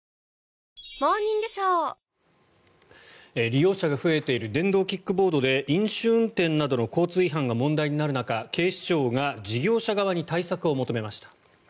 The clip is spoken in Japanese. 利用者が増えている電動キックボードで飲酒運転などの交通違反が問題になる中警視庁が事業者側に対策を求めました。